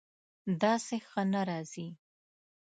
داسې ښه نه راځي